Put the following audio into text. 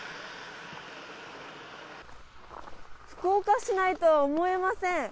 福岡市内とは思えません。